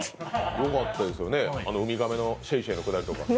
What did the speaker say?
よかったですよね、海亀のシェイシェイのくだりとか。